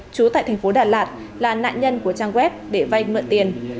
trú tại thành phố đà lạt là nạn nhân của trang web để vay mượn tiền